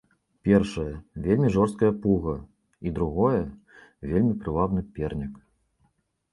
Першае, вельмі жорсткая пуга і, другое, вельмі прывабны пернік.